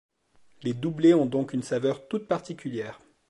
Les doublés ont donc une saveur toute particulière.